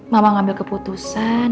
mama ngambil keputusan